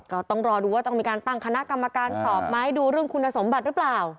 ก็ต้องรอดูว่าต้องมีการตั้งคณะกรรมการสอบไหมดูเรื่องคุณสมบัติหรือเปล่า